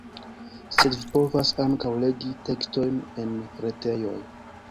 Sed vi povas ankaŭ legi tekstojn en retejoj.